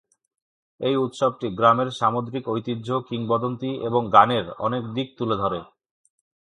এই উৎসবটি গ্রামের সামুদ্রিক ঐতিহ্য, কিংবদন্তী এবং গানের অনেক দিক তুলে ধরে।